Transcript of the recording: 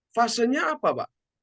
fasenya apa pak